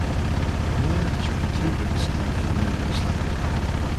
Miller has written two books on the former Yugoslavia.